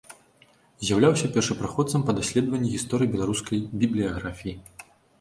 З'яўляўся першапраходцам па даследаванні гісторыі беларускай бібліяграфіі.